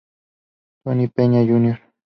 Tony Peña, Jr.